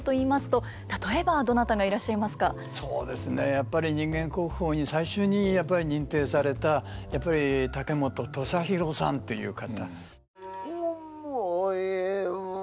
やっぱり人間国宝に最初に認定された竹本土佐廣さんという方。